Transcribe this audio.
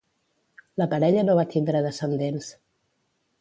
La parella no va tindre descendents.